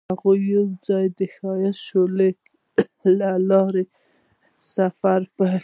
هغوی یوځای د ښایسته شعله له لارې سفر پیل کړ.